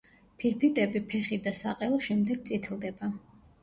ფირფიტები, ფეხი და საყელო შემდეგ წითლდება.